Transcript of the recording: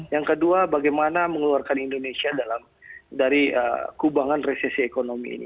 yang kedua bagaimana mengeluarkan indonesia dari kubangan resesi ekonomi ini